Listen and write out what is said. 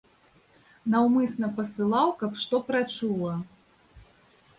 Наўмысна пасылаў, каб што прачула.